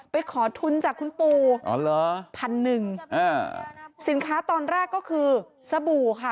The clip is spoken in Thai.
ไปขอทุนจากคุณปู่อ๋อเหรอพันหนึ่งอ่าสินค้าตอนแรกก็คือสบู่ค่ะ